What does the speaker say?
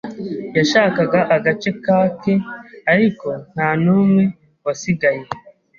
Yashakaga agace kake, ariko ntanumwe wasigaye.